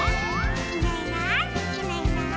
「いないいないいないいない」